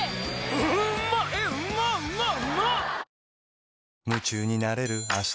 うまうまうまっ！